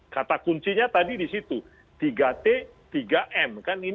kata kuncinya tadi di situ tiga t tiga m